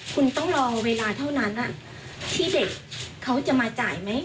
คุณต้องรอเวลาเท่านั้นที่เด็กเขาจะมาจ่ายไหม